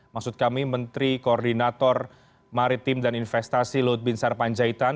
maksud kami menteri koordinator maritim dan investasi lut bin sarpanjaitan